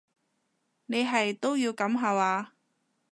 你係都要噉下話？